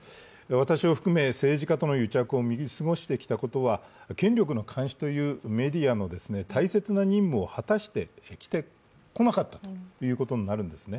私を含め政治家との癒着を見過ごしてきたことは権力の監視というメディアの大切な任務を果たしてこなかったということになるんですね。